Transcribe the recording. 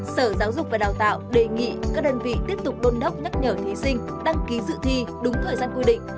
sở giáo dục và đào tạo đề nghị các đơn vị tiếp tục đôn đốc nhắc nhở thí sinh đăng ký dự thi đúng thời gian quy định